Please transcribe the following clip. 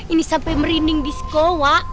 ini sampai merinding di sko wak